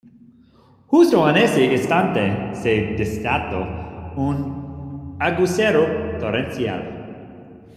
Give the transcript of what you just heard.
Justo en ese instante se desató un aguacero torrencial.